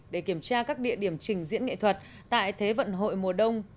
để kiểm tra các địa điểm trình diễn nghệ thuật tại thế vận hội mùa đông